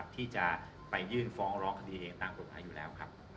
ที่จะไปยื่นฟ้องร้องคดีเองต้านกรดภัยอยู่แล้ว